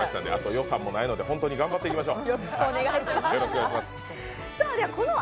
あと予算もないので、本当に頑張っていきましょう。